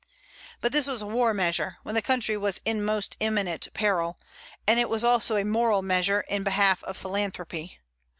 But this was a war measure, when the country was in most imminent peril; and it was also a moral measure in behalf of philanthropy.